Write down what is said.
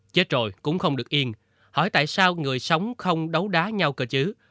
chết rồi cũng không được yên hỏi tại sao người sống không đấu đá nhau cơ chứ